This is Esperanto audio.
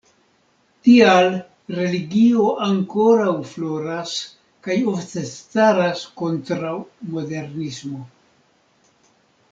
Tial religio ankoraŭ floras kaj ofte staras kontraŭ modernismo.